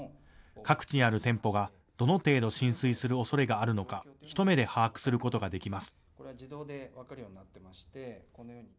各地にある店舗がどの程度、浸水するおそれがあるのか一目で把握することができます。